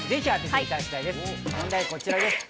問題はこちらです。